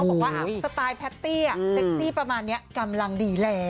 เขาบอกว่าสไตล์แพตตี้อ่ะเซ็กซี่ประมาณนี้กำลังดีแล้ว